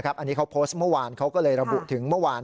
อันนี้เขาโพสต์เมื่อวานเขาก็เลยระบุถึงเมื่อวาน